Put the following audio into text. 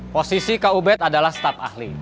posisi kak ubed adalah staff ahli